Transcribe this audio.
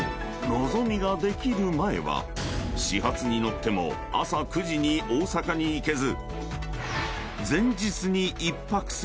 のぞみができる前は始発に乗っても朝９時に大阪に行けず］